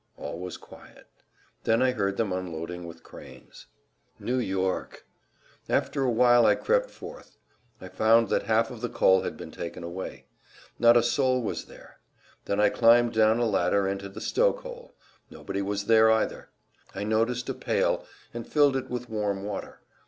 All was quiet. Then I heard them unloading with cranes. New York!—After a while I crept forth. I found that half of the coal had been taken away. Not a soul was there. Then I climbed down a ladder into the stokehole; nobody was there either. I noticed a pail and filled it with warm water.